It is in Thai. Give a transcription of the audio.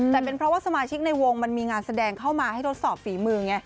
แต่เป็นเพราะว่าสมาชิกในวงมันมีงานแสดงเข้ามาให้ทดสอบฝีมือไง